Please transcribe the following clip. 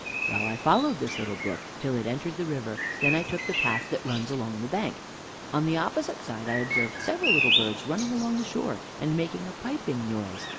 Well I followed this little brook till it entered the river, and then took the path that runs along the bank. On the opposite side I observed several little birds running along the shore, and making a piping noise.